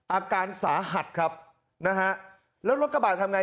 อาการสาหัสครับนะฮะแล้วรถกระบาดทำไง